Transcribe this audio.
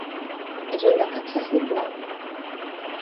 És un lloc accessible?